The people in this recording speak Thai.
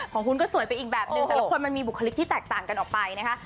ของคุณก็สวยไปอีกแบบนึงแต่ละคนมันมีบุคลิกที่แตกต่างกันออกไปนะคะ